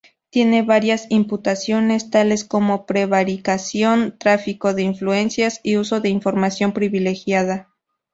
Tiene varias imputaciones, tales como prevaricación, tráfico de influencias y uso de información privilegiada.